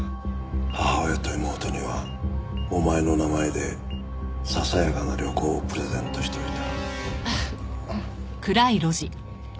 母親と妹にはお前の名前でささやかな旅行をプレゼントしておいた。